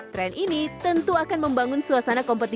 trend ini tentu akan membangun suasana kompetitif